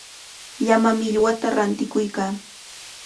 Llama millwata rantikuykaa.